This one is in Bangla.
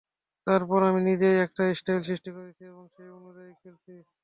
তারপর আমি নিজেই একটা স্টাইল সৃষ্টি করেছি এবং সেই অনুযায়ী খেলেছি।